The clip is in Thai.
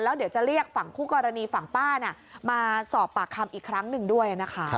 แล้วเดี๋ยวจะเรียกฝั่งคู่กรณีฝั่งป้ามาสอบปากคำอีกครั้งหนึ่งด้วยนะคะ